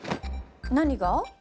何が？